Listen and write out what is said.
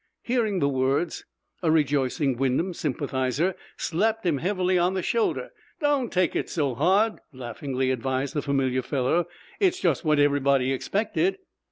Hearing the words, a rejoicing Wyndham sympathizer slapped him heavily on the shoulder. "Don't take it so hard," laughingly advised the familiar fellow. "It's just what everybody expected."